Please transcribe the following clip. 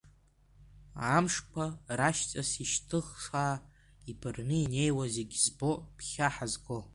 Амшқәа рашьҵас ишьҭхысаа иԥырны инеиуа, зегь збо, ԥхьа ҳазго.